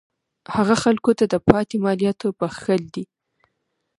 هغه خلکو ته د پاتې مالیاتو بخښل دي.